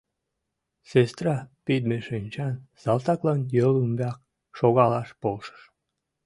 Сестра пидме шинчан салтаклан йол ӱмбак шогалаш полшыш.